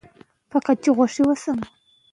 که سوله وي نو کورونه نه ورانیږي.